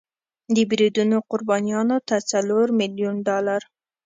د بریدونو قربانیانو ته څلور میلیون ډالر